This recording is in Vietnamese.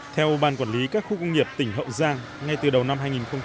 theo ban quản lý các khu công nghiệp tỉnh hậu giang ngay từ đầu năm hai nghìn một mươi chín